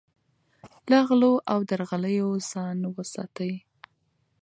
له غلو او درغلیو ځان وساتئ.